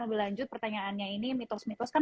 lebih lanjut pertanyaannya ini mitos mitos kan